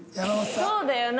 そうだよな。